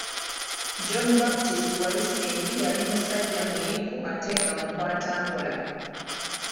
John Baptist Walusimbi yali musajja muyivu ate nga mukwatampola.